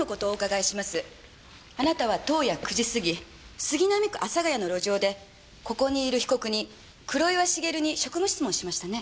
あなたは当夜９時過ぎ杉並区阿佐ヶ谷の路上でここにいる被告人黒岩繁に職務質問しましたね？